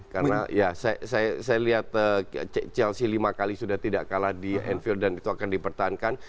karena ya saya lihat chelsea lima kali sudah tidak kalah di anfield dan itu akan dipertahankan